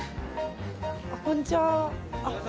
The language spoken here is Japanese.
こんにちは。